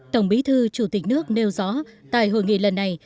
tổng bí thư chủ tịch nước nêu rõ tại hội nghị lần này